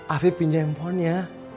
afif pinjam empornya